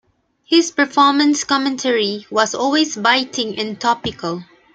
His performance commentary was always biting and topical.